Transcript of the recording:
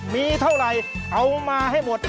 มีเท่าไหร่เอามาให้หมด